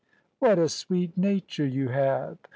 "What a sweet nature you have!